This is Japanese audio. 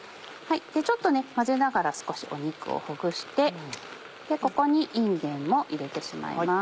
ちょっと混ぜながら少し肉をほぐしてここにいんげんも入れてしまいます。